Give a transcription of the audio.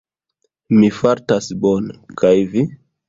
Mi fartas bone, kaj vi?